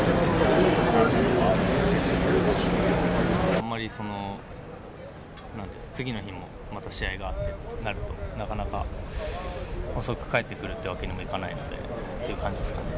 あんまり次の日もまた試合があってとなると、なかなか遅く帰ってくるってわけにもいかないのでっていう感じですかね。